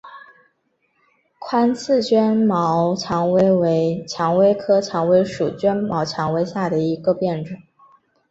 宽刺绢毛蔷薇为蔷薇科蔷薇属绢毛蔷薇下的一个变型。